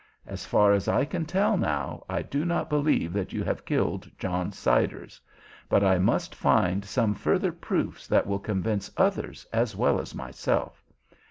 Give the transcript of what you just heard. As far as I can tell now I do not believe that you have killed John Siders. But I must find some further proofs that will convince others as well as myself.